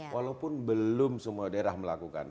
walaupun belum semua daerah melakukan